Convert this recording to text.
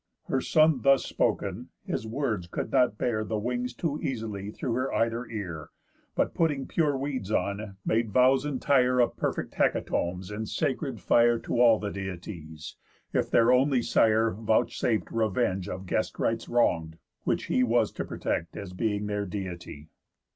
Her son thus spoken, his words could not bear The wings too easily through her either ear, But putting pure weeds on, made vows entire Of perfect hecatombs in sacred fire To all the Deities, if their only Sire Vouchsaf'd revenge of guest rites wrong'd, which he Was to protect as being their Deity.